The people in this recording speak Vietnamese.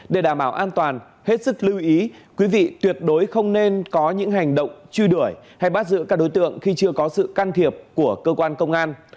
để đảm bảo an toàn hết sức lưu ý quý vị tuyệt đối không nên có những hành động truy đuổi hay bắt giữ các đối tượng khi chưa có sự can thiệp của cơ quan công an